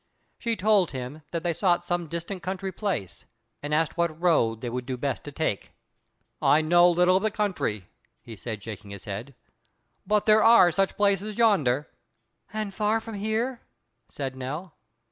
She told him that they sought some distant country place, and asked what road they would do best to take. "I know little of the country," he said, shaking his head; "but there are such places yonder." "And far from here?" said Nell.